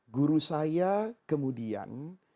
guru saya kemudian